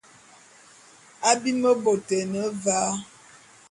Abim bôt é ne va.